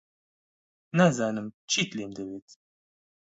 نازانم چیت لێم دەوێت.